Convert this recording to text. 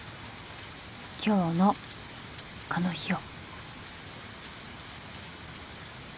今日のこの日を。